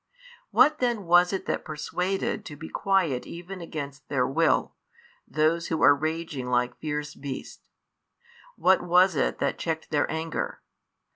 What then was it that persuaded to be quiet even against their will, those who are raging like fierce beasts? what was it that checked their anger?